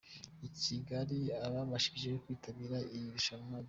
I Kigali ababashije kwitabira iri rushanwa bari.